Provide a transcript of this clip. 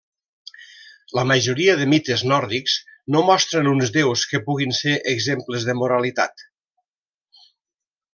La majoria de mites nòrdics no mostren uns déus que puguin ser exemples de moralitat.